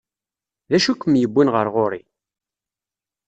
D acu i kem-yewwin ɣer ɣur-i?